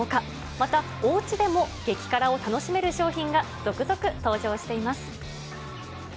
また、おうちでも激辛を楽しめる商品が続々登場しています。